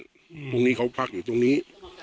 พรุ่งนี้เขาพักอยู่ตรงนี้